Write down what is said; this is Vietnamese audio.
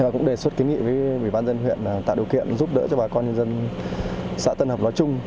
cũng đề xuất kính nghị với ủy ban dân huyện tạo điều kiện giúp đỡ cho bà con nhân dân sã tân hập nói chung